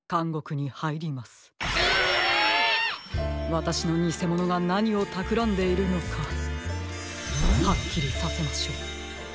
わたしのにせものがなにをたくらんでいるのかはっきりさせましょう。